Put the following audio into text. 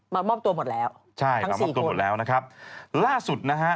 มามอบตัวหมดแล้วใช่มามอบตัวหมดแล้วนะครับล่าสุดนะฮะ